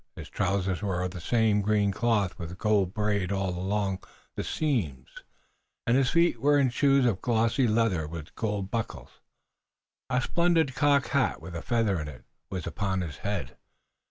His trousers were of the same green cloth with gold braid all along the seams, and his feet were in shoes of glossy leather with gold buckles. A splendid cocked hat with a feather in it was upon his head.